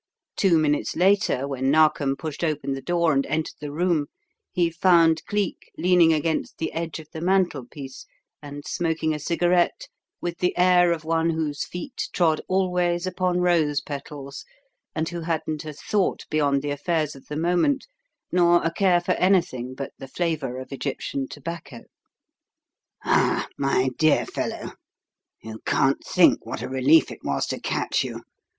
Two minutes later, when Narkom pushed open the door and entered the room, he found Cleek leaning against the edge of the mantelpiece and smoking a cigarette with the air of one whose feet trod always upon rose petals, and who hadn't a thought beyond the affairs of the moment, nor a care for anything but the flavour of Egyptian tobacco. "Ah, my dear fellow, you can't think what a relief it was to catch you.